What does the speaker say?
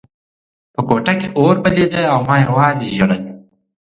په کوټه کې اور بلېده او ما یوازې ژړل